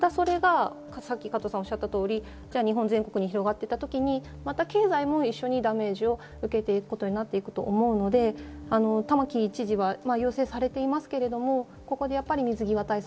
加藤さんがおっしゃったように全国に広がったように経済も一緒にダメージを受けていくことになると思うので、玉城知事は要請されていますけれども、ここで水際対策。